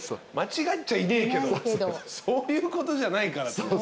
間違っちゃいねえけどそういうことじゃないから。